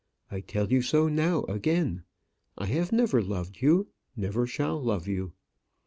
I tell you so now again. I have never loved you never shall love you.